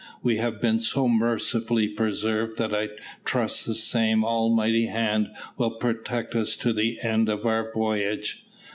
"We have been so mercifully preserved that I trust the same Almighty hand will protect us to the end of our voyage.